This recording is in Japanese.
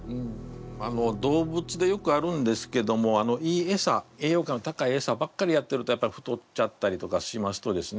動物でよくあるんですけどもいいエサ栄養価の高いエサばっかりやってるとやっぱ太っちゃったりとかしますとですね